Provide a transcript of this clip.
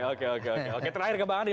oke terakhir ke bang andi